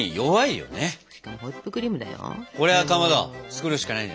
よし！